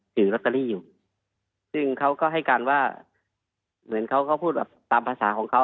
ถือลอตเตอรี่อยู่ซึ่งเขาก็ให้การว่าเหมือนเขาก็พูดแบบตามภาษาของเขา